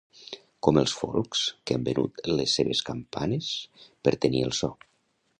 Com els Folcs, que han venut les seves campanes per tenir el so.